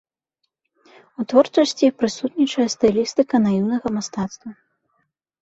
У творчасці прысутнічае стылістыка наіўнага мастацтва.